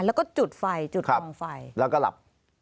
แล้วก็จุดไฟจุดกองไฟแล้วก็หลับ